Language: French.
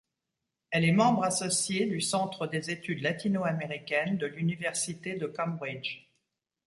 Elle est membre associée du Centre des études latino-américaines de l'université de Cambridge.